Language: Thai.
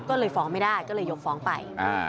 ก็เลยฟ้องไม่ได้ก็เลยยกฟ้องไป